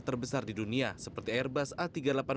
terbesar di dunia seperti airbus a tiga ratus delapan puluh